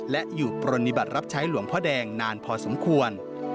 และอยู่ปรณิบัติรับใช้หลวงพ่อแดงนานพอสมควร